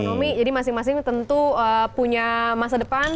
ekonomi jadi masing masing tentu punya masa depan